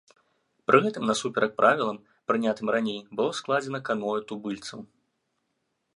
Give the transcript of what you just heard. Пры гэтым насуперак правілам, прынятым раней, было скрадзена каноэ тубыльцаў.